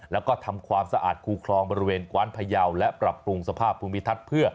แล้วก็ทำความสะอาดคูคลองบริเวณกว้านพยาวและปรับปรุงสภาพภูมิทัศน์เพื่อ